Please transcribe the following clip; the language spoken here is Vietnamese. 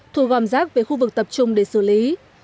thu gom rác về khu vực tập trung để xử lý